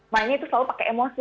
mainnya itu selalu pakai emosi